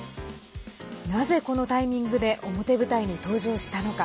なぜ、このタイミングで表舞台に登場したのか。